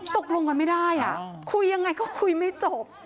ตกลงกันไม่ได้คุยยังไงก็คุยไม่จบ